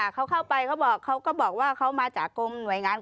เข้าไปเข้าบอกก็บอกว่าเข้ามาจากกรมแรงงานนะ